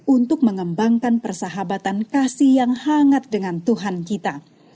untuk mengembangkan persahabatan kasih yang hangat dengan tuhan kita